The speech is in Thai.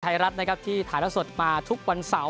ไทยรัฐนะครับที่ถ่ายแล้วสดมาทุกวันเสาร์